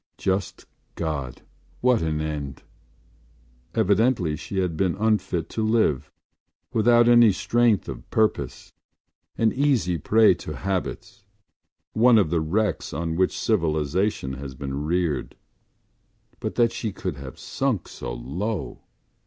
Just God, what an end! Evidently she had been unfit to live, without any strength of purpose, an easy prey to habits, one of the wrecks on which civilisation has been reared. But that she could have sunk so low!